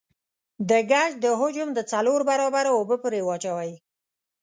د ګچ د حجم د څلور برابره اوبه پرې واچوئ.